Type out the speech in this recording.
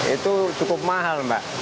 itu cukup mahal mbak